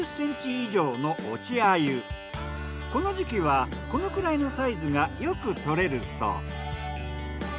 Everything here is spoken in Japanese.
この時期はこのくらいのサイズがよく獲れるそう。